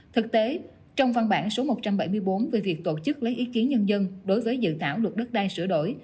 thực tế trong văn bản số một trăm bảy mươi bốn về việc tổ chức lấy ý kiến nhân dân đối với dự thảo luật đất đai sửa đổi